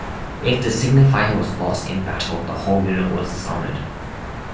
If the signifer was lost in battle, the whole unit was dishonored.